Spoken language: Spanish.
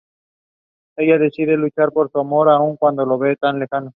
Ella decide luchar por su amor, aun cuando lo ve tan lejano.